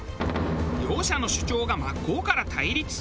両者の主張が真っ向から対立。